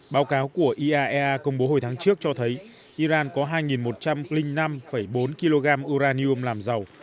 báo cáo của iaea công bố hồi tháng trước cho thấy iran có hai một trăm linh năm bốn kg uranium làm dầu